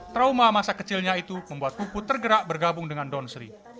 trauma masa kecilnya itu membuat puput tergerak bergabung dengan donsri